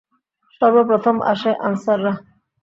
সর্বপ্রথম আসে আনসাররা।